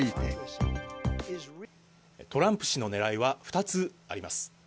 トランプ氏のねらいは２つあります。